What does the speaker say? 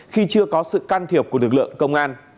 khi chưa có sự can thiệp của lực lượng công an